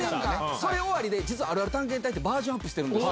それ終わりで、実はあるある探検隊ってバージョンアップしてるんですよ。